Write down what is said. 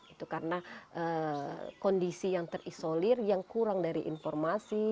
itu karena kondisi yang terisolir yang kurang dari informasi